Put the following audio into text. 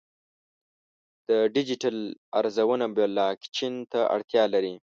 د ډیجیټل ارزونه بلاکچین ته اړتیا لري.